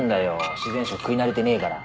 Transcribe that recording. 自然食食い慣れてねぇから。